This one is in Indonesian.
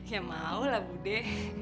ya mau lah budi